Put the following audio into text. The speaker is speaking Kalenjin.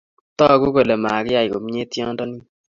Tagu kole makiyei komyei tyondo nin